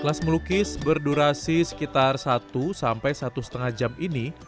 kelas melukis berdurasi sekitar satu sampai satu lima jam ini